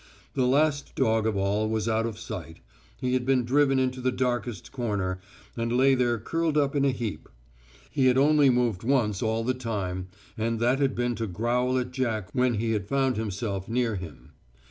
The last dog of all was out of sight, he had been driven into the darkest corner, and lay there curled up in a heap. He had only moved once all the time, and that had been to growl at Jack when he had found himself near him.